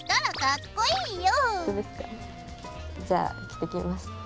じゃあ着てきます。